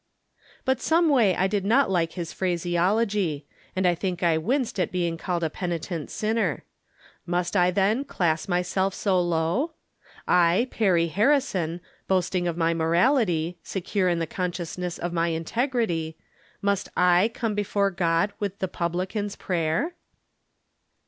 But someway I did not hke his phraseology ; and I think I winced at being called a penitent sinner. Must I, then, class myseK so low ? I, Perry Plarrison, boasting of my morality, secure in the consciousness of my integrity — must I come before God with the publican's prayer